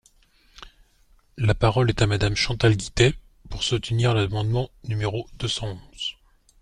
La parole est à Madame Chantal Guittet, pour soutenir l’amendement numéro deux cent onze.